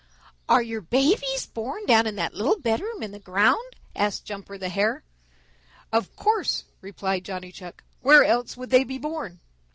"Are your babies born down in that little bedroom in the ground?" asked Jumper the Hare. "Of course," replied Johnny Chuck. "Where else would they be born?"